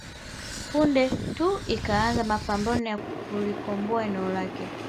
Punde tu ikaanzisha mapambano ya kulikomboa eneo lake